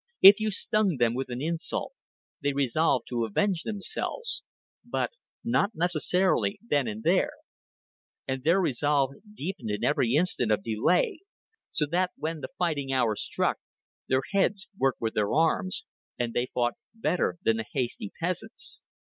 If you stung them with an insult, they resolved to avenge themselves but not necessarily then and there; and their resolve deepened in every instant of delay, so that when the fighting hour struck, their heads worked with their arms, and they fought better than the hasty peasants.